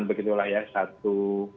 begitulah ya satu